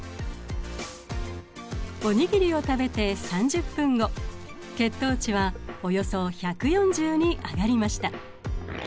お握りを食べて３０分後血糖値はおよそ１４０に上がりました。